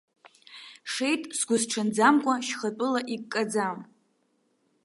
Шеит сгәысҽынӡамкәа шьхатәыла иккаӡа.